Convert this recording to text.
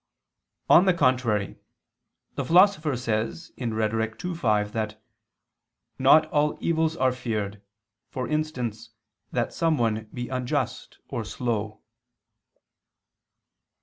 On the contrary, The Philosopher says (Rhet. ii, 5) that "not all evils are feared, for instance that someone be unjust or slow."